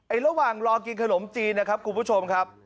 ระหว่างรอกินขนมจีนนะครับคุณผู้ชมครับ